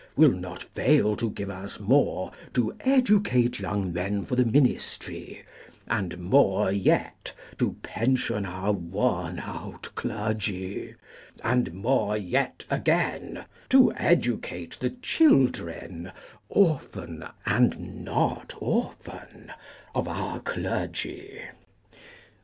will not fail to give us more to educate young men for the ministry; and more yet to pension our worn out clergy; and more yet again to educate the children, orphan and not orphan, of our clergy.